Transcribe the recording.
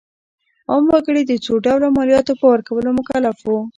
عام وګړي د څو ډوله مالیاتو په ورکولو مکلف وو.